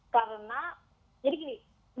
karena jadi gini